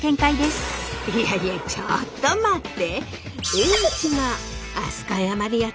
いやいやちょっと待って。